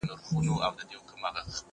د قدرت گيند چي به خوشي پر ميدان سو